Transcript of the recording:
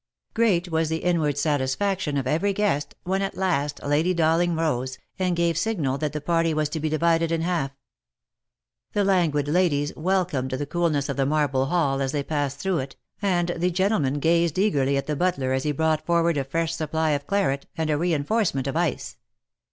Great was the inward satisfaction of every guest, when at last Lady Dowling rose, and gave signal that the party was to be divided in half. The languid ladies welcomed the coolness of the marble hall as they passed through it, and the gentlemen gazed eagerly at the butler as he brought forward a fresh supply of claret, and a reinforcement of ice.